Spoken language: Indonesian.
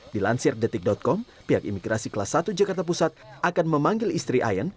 dilansir detik com pihak imigrasi kelas satu jakarta pusat akan memanggil istri ayan